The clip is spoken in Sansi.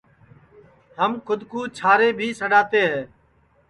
ہم کھود کُو چھارے بھی سڈؔاتے ہے